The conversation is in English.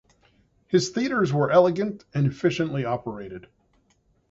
His theatres were elegant and efficiently operated.